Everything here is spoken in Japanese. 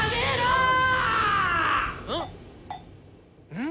うん？